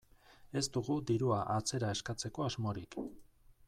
Ez dugu dirua atzera eskatzeko asmorik.